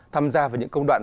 tham gia vào những công đoạn